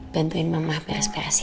bantuin mama beres beres ya